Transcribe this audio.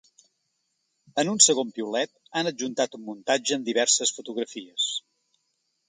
En un segon piulet, han adjuntat un muntatge amb diverses fotografies.